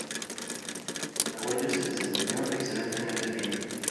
El paraguayo se desempeñó excelentemente bien.